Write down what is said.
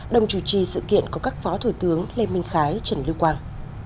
đồng chủ trì sự kiện có các phó thủ tướng lê minh khái trần lưu quang